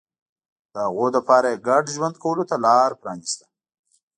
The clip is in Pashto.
د هغوی لپاره یې ګډ ژوند کولو ته لار پرانېسته.